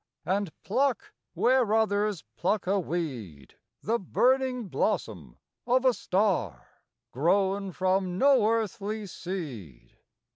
And pluck, where others pluck a weed, The burning blossom of a star, Grown from no earthly seed.